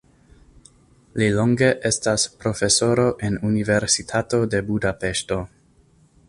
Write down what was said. Li longe estas profesoro en Universitato de Budapeŝto.